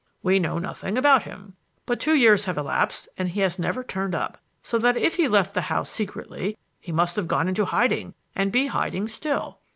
We know nothing about him. But two years have elapsed and he has never turned up, so that if he left the house secretly he must have gone into hiding and be hiding still.